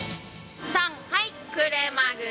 さんはい！